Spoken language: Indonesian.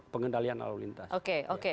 pengendalian lalu lintas oke